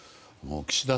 岸田